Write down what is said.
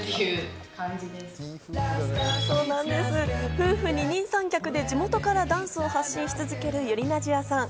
夫婦二人三脚で地元からダンスを発信し続けるｙｕｒｉｎａｓｉａさん。